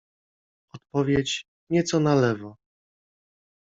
odpowiedź - nieco na lewo.